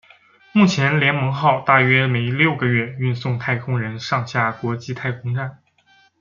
目前联盟号大约每六个月运送太空人上下国际太空站。